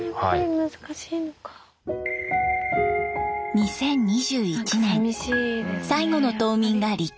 ２０２１年最後の島民が離島。